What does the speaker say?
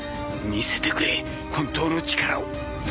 「見せてくれ本当の力を」